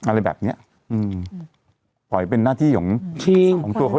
อะไรแบบเนี้ยอืมปล่อยเป็นหน้าที่ของชิงของตัวเขา